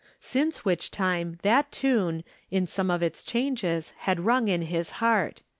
' Since which time that tune, in some of its changes, had rung in his heart.